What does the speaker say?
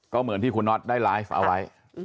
ก็เหมือนที่คุณน็อตได้ไลฟ์เอาไว้